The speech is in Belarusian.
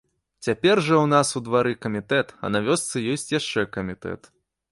Цяпер жа ў нас у двары камітэт, а на вёсцы ёсць яшчэ камітэт.